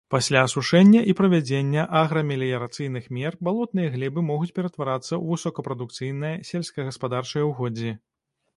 Пасля асушэння і правядзення аграмеліярацыйных мер балотныя глебы могуць ператварацца ў высокапрадукцыйныя сельскагаспадарчыя ўгоддзі.